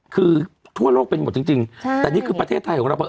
คือทั่วโลกเป็นหมดจริงแต่นี่คือประเทศไทยของเรา